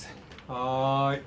はい。